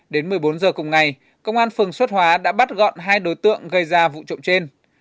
đến một mươi bốn h cùng ngày công an phường xuất hóa đã bắt gọn hai đối tượng gây ra vụ trộm trên